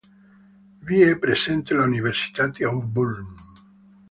Vi è presente l'Università di Auburn.